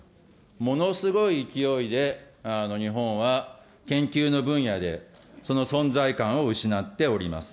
ものすごい勢いで、日本は研究の分野でその存在感を失っております。